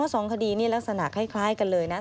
สองคดีนี่ลักษณะคล้ายกันเลยนะ